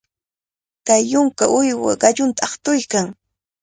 Kay yunka uywa qallunta aqtuykan.